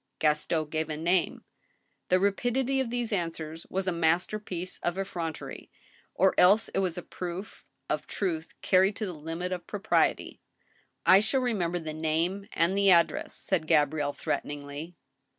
Gaston gave a name. The rapidity of these answers was a masterpiece of effrontery ; or else it was a proof of truth carried to the limit of\ propriety. " I shall remember the name and the address," said Gabrielle, threateningly.